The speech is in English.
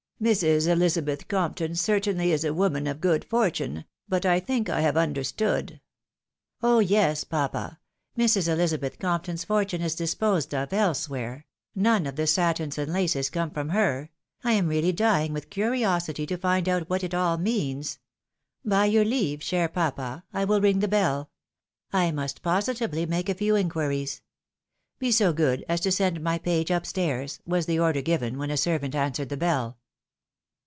Mrs. Ehzabeth Compton certainly is a woman of good fortune — ^but I think I have understood ■"" Oh ! yes, papa ; Mrs. Elizabeth Compton's fortune is disposed of elsewhere ; none of the satins and laces come from her — I am really dying with curiosity to find out what it all means. By your leave, cher papa ! I will ring the bell. I must positively make a few inquiries. Be so good as to send my page up stairs," was the order given when a servant answered the bell.